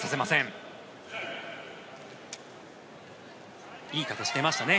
１ついい形、出ましたね。